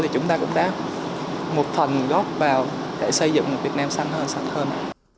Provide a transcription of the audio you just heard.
chúng ta cũng đã một phần góp vào để xây dựng một việt nam xanh hơn sạch hơn